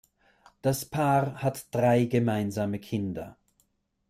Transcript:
Das Paar hat drei gemeinsame Kinder.